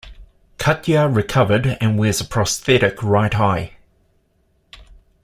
Katya recovered and wears a prosthetic right eye.